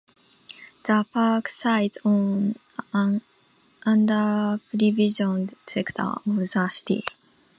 The park sits on an underprivileged sector of the city.